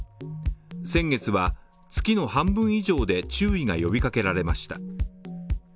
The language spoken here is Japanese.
先月は月の半分以上で注意が呼びかけられました。